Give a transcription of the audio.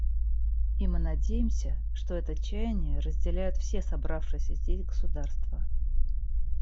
И мы надеемся, что это чаяние разделяют все собравшиеся здесь государства.